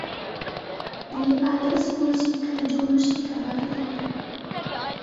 নেপালে স্কুল শিক্ষায় যৌন শিক্ষা বাধ্যতামূলক।